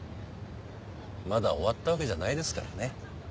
まだ終わったわけじゃないですからね。